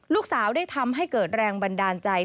ลูกสาวได้ทำให้เกิดแรงบันดาลใจ